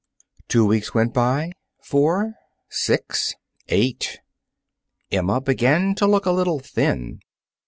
Two weeks went by four six eight. Emma began to look a little thin.